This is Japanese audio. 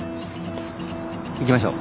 行きましょう。